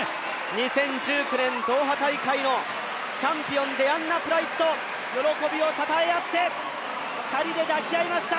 ２０１９年ドーハ大会のチャンピオン、デアンナプライスと喜びをたたえあって、２人で抱き合いました。